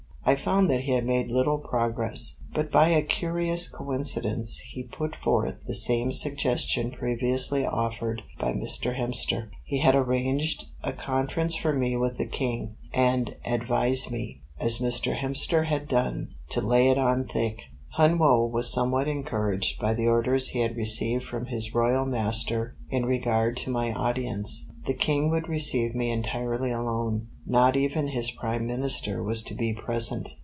I found that he had made little progress, but by a curious coincidence he put forth the same suggestion previously offered by Mr. Hemster. He had arranged a conference for me with the King, and advised me, as Mr. Hemster had done, to lay it on thick. Hun Woe was somewhat encouraged by the orders he had received from his royal master in regard to my audience. The King would receive me entirely alone; not even his Prime Minister was to be present.